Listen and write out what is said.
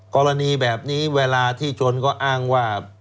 กรณีแบบนี้เวลาที่ชนก็อ้างว่า